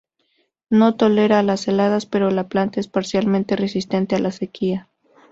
No tolera las heladas, pero la planta es parcialmente resistente a la sequía.